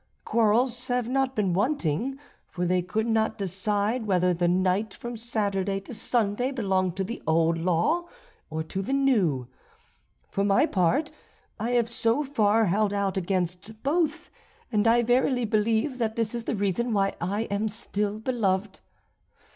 Quarrels have not been wanting, for they could not decide whether the night from Saturday to Sunday belonged to the old law or to the new. For my part, I have so far held out against both, and I verily believe that this is the reason why I am still beloved.